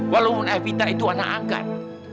walaupun evita itu anak angkat